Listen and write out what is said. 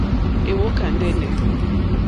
Èwókà ndɛ́nɛ̀.